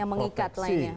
yang mengikat lainnya